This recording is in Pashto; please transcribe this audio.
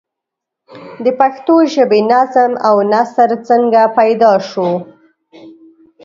د پښتو ژبې نظم او نثر څنگه پيدا شو؟